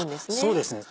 そうですね。